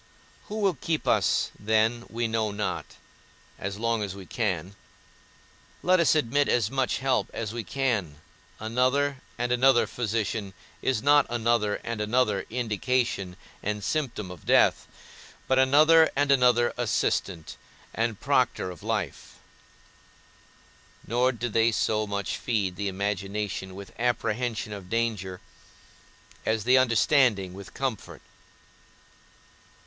Who will keep us then we know not; as long as we can, let us admit as much help as we can; another and another physician is not another and another indication and symptom of death, but another and another assistant, and proctor of life: nor do they so much feed the imagination with apprehension of danger, as the understanding with comfort.